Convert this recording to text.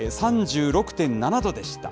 ３６．７度でした。